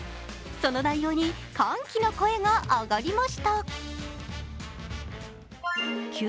その内容に歓喜の声が上がりました。